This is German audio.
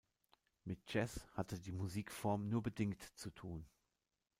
Mit Jazz hatte die Musikform nur bedingt zu tun.